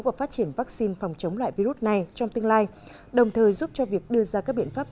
và phát triển vaccine phòng chống loại virus này trong tương lai đồng thời giúp cho việc đưa ra các biện pháp